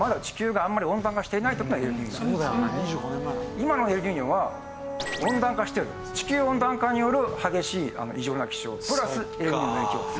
今のエルニーニョは温暖化してる地球温暖化による激しい異常な気象プラスエルニーニョの影響。